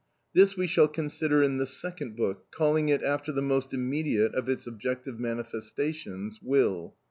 This we shall consider in the second book, calling it after the most immediate of its objective manifestations—will.